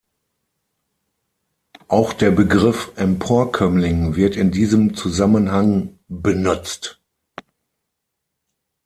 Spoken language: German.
Auch der Begriff Emporkömmling wird in diesem Zusammenhang benutzt.